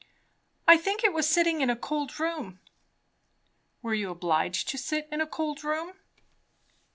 "I think it was sitting in a cold room." "Were you obliged to sit in a cold room?"